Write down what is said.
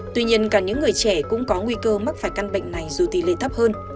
tuy nhiên còn những người trẻ cũng có nguy cơ mắc phải căn bệnh này dù tỷ lệ thấp hơn